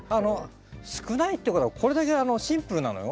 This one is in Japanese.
少ないってことはこれだけシンプルなのよ。